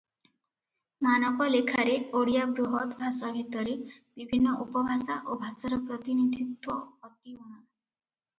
ମାନକ ଲେଖାରେ ଓଡ଼ିଆ ବୃହତଭାଷା ଭିତରେ ବିଭିନ୍ନ ଉପଭାଷା ଓ ଭାଷାର ପ୍ରତିନିଧିତ୍ୱ ଅତି ଊଣା ।